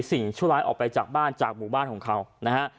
ชั่วร้ายออกไปจากบ้านจากหมู่บ้านของเขานะฮะ